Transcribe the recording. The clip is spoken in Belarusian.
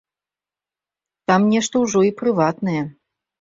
Там нешта ўжо і прыватнае.